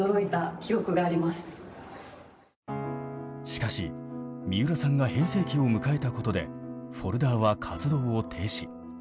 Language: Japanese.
しかし三浦さんが変声期を迎えたことで「Ｆｏｌｄｅｒ」は活動を停止。